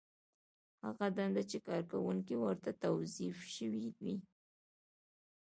هغه دنده چې کارکوونکی ورته توظیف شوی وي.